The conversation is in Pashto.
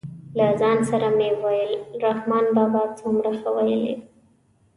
له ځان سره مې ویل رحمان بابا څومره ښه ویلي.